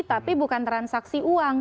tapi bukan transaksi uang